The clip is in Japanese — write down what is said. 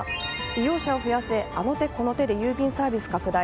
利用者を増やせあの手この手で郵便サービス拡大。